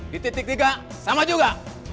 di titik tiga sama juga